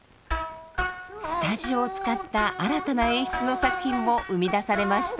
スタジオを使った新たな演出の作品も生み出されました。